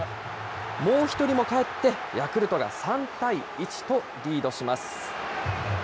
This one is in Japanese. もう１人もかえって、ヤクルトが３対１とリードします。